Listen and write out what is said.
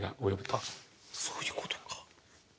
そういうことか。